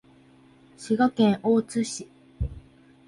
滋賀県大津市